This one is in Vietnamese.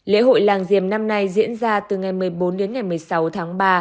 lễ hội làng diềm năm nay diễn ra từ ngày một mươi bốn đến ngày một mươi sáu tháng ba